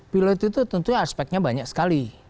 pilot itu tentunya aspeknya banyak sekali